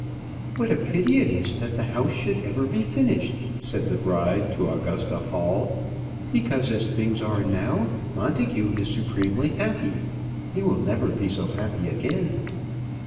"What a pity it is that the house should ever be finished!" said the bride to Augusta Hall; "because as things are now, Montagu is supremely happy: he will never be so happy again."